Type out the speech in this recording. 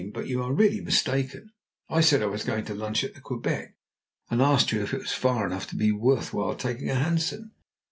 but you are really mistaken. I said I was going to lunch at the Quebec, and asked you if it was far enough to be worth while taking a hansom.